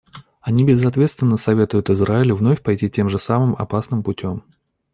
Они безответственно советуют Израилю вновь пойти тем же самым опасным путем.